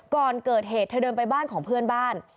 ก่อนเกิดเหตุเธอเดินไปบ้านของเพื่อนบ้าน